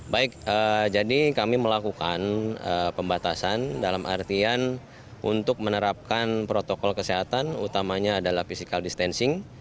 baik jadi kami melakukan pembatasan dalam artian untuk menerapkan protokol kesehatan utamanya adalah physical distancing